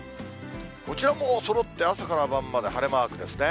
こちらもそろって朝から晩まで晴れマークですね。